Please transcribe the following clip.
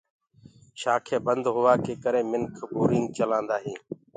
شآکينٚ بند هوآ ڪي ڪري منک بورينگ چلآندآ هينٚ۔